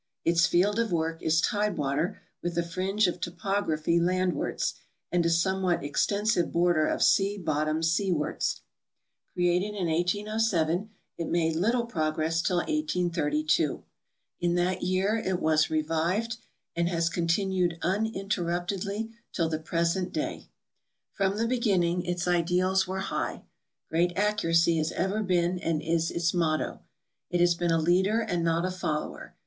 Its field of work is tidewater with a fringe of topography land wards and a somewhat extensive border of sea bottom seawards. Created in 1807, it made little progress till 1832. In that j ear it 288 GEOGRAPHICAL RESEARCH IN THE UNITED STATES was revived and has continued uninterruptedh' till the present day. From the beginning its ideals were high. Great accurac}' has ever been and is its motto. It has been a leader and not a fol lower.